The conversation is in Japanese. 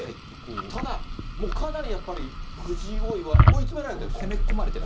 ただ、かなりやっぱり、藤井王位は追い攻め込まれてる。